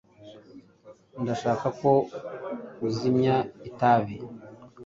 Ndashaka ko uzimya itabi.